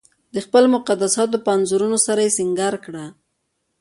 د خپلو مقدساتو په انځورونو سره یې سنګار کړه.